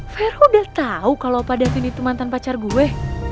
vero udah tau kalo opa davin itu mantan pacar gue